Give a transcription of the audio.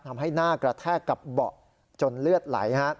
ทำให้หน้ากระแทกกับเบาะจนเลือดไหล